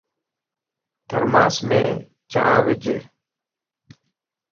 ٿرماس مَ چائي وج